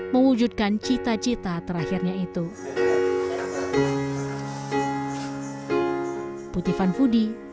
mewujudkan cita cita terakhirnya itu